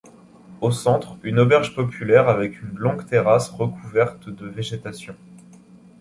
Au centre, une auberge populaire avec une longue terrasse recouverte de végétation.